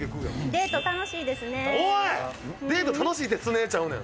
デート楽しいですねちゃうね